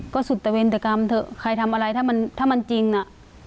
ก็สุดตะเวนตกรรมเถอะใครทำอะไรถ้ามันถ้ามันจริงน่ะ